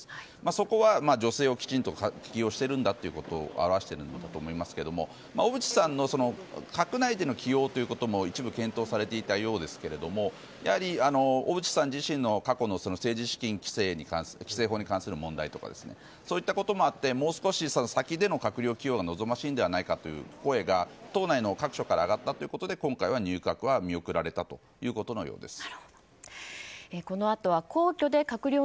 そこは、女性をきちんと起用しているんだということを表しているんだと思いますけど小渕さんの閣内の起用も一部検討されていたようですが小渕さん自身の過去の政治資金規正法に関する問題とかそういったこともあってもう少し先での閣僚起用が望ましいんではないかという声が党内の各所から上がったということで今回は入閣は見送られたということのようです。